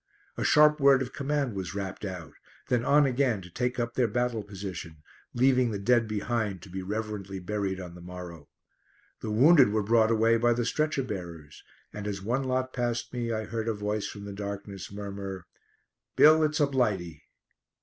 A sharp word of command was rapped out, then on again to take up their battle position, leaving the dead behind to be reverently buried on the morrow. The wounded were brought away by the stretcher bearers, and as one lot passed me I heard a voice from the darkness murmur, "Bill, it's a blighty."